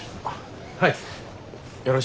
はい。